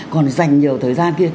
còn dành nhiều thời gian kia